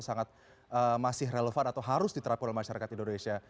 sangat masih relevan atau harus diterapkan oleh masyarakat indonesia